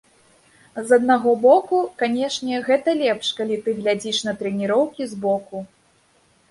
З аднаго боку, канешне, гэта лепш, калі ты глядзіш на трэніроўкі збоку.